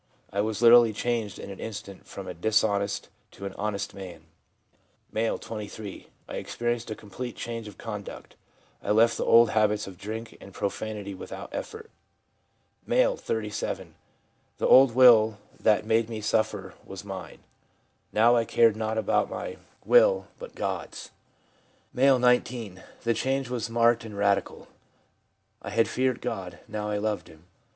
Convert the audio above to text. I was literally changed in an instant from a dishonest to an honest man.' M., 23. ' I experienced a complete change of conduct ; I left off the old habits of drink and profanity without efifort. , M., 37. 'The old will that made me suffer was mine ; now I cared not about my i 3 4 THE PSYCHOLOGY OF RELIGION will, but God's/ M., 19. c The change was marked and radical. I had feared God, now I loved Him.